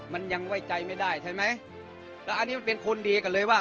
มันยังไว้ใจไม่ได้ใช่ไหมแล้วอันนี้มันเป็นคนเดียวกันเลยว่า